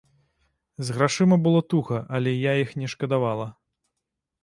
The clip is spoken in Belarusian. З грашыма было туга, але я іх не шкадавала.